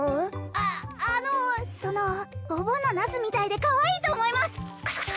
ああのそのお盆のナスみたいで可愛いと思います